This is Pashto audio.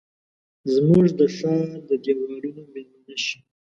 زموږ د ښارد دیوالونو میلمنه شي